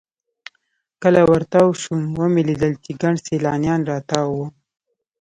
کله ورتاو سوم ومې لېدل چې ګڼ سیلانیان راتاو وو.